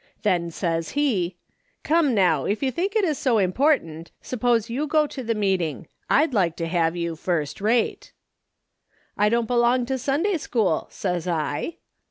Then says he :"' Come, now, if 3'ou think it is so important, suppose you go to the meeting ; Td like to have you lirst rate.' "' I don't belong to Sunday school,' says I.